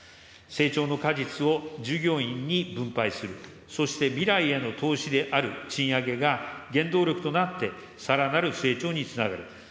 成長の果実を従業員に分配する、そして未来への投資である賃上げが原動力となって、さらなる成長につながる。